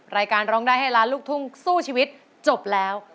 รายการร้องได้ให้ล้านลูกทุ่งสู้ชีวิตจบแล้ว